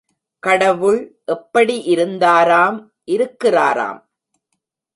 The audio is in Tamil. கடவுள் எப்படி இருந்தாராம் இருக்கிறாராம்?